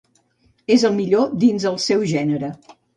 És el millor dins el seu gènere.